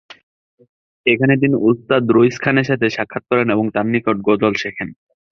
এখানে তিনি ওস্তাদ রইস খানের সাথে সাক্ষাৎ করেন এবং তাঁর নিকট গজল শেখেন।